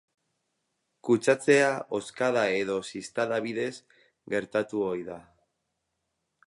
Kutsatzea hozkada edo ziztada bidez gertatu ohi da.